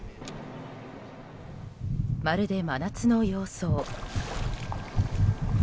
まるで真夏の様相。